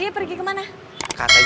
saya pikir surti sudah pamit sama ibu